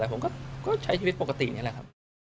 ผมก็ใช้ชีวิตปกติแบบนี้ล่ะครับ